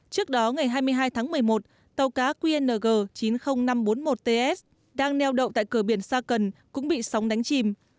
trước đó ngày hai mươi hai tháng một mươi một tàu cá qng chín mươi nghìn năm trăm bốn mươi một ts đang neo đậu tại cửa biển sa cần cũng bị sóng đánh chìm